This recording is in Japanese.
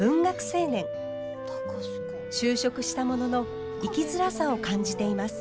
就職したものの生きづらさを感じています。